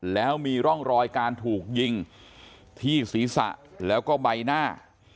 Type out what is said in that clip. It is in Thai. แล้วมีร่องรอยการถูกยิงที่ศีรษะแล้วก็ใบหน้า